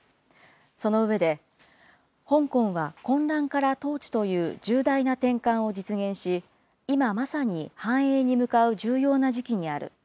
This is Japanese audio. その上で、香港は混乱から統治という重大な転換を実現し、今まさに繁栄に向かう重要な時期にある。